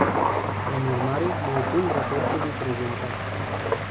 Prin urmare, mă opun raportului prezentat.